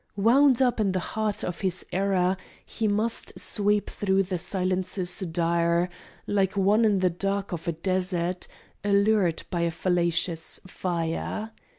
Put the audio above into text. "Wound up in the heart of his error He must sweep through the silences dire, Like one in the dark of a desert Allured by fallacious fire."